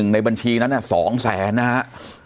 ในบัญชีนั้น๒แสนนะฮะ